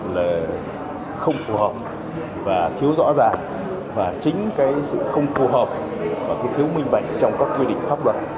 là không phù hợp và thiếu rõ ràng và chính cái sự không phù hợp và cái thiếu minh bạch trong các quy định pháp luật